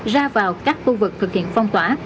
ra vào các khu vực thực hiện phong tỏa